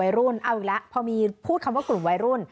พอพูดว่ามีที่ว่ากลุ่มวัยรุ่น